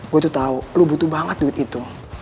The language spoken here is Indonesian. gue tuh tau lo butuh banget duit itu